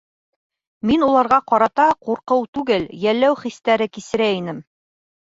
Мин уларға ҡарата ҡурҡыу түгел, йәлләү хистәре кисерә инем.